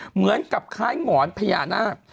เหมือนกับคล้ายหงอนพญานาค